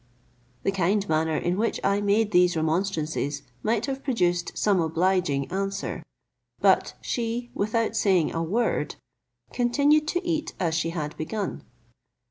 The kind manner in which I made these remonstrances might have produced some obliging answer; but she, without saying a word, continued to eat as she had begun.